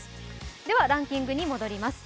ではランキングに戻ります。